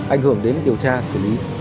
ảnh hưởng đến điều tra xử lý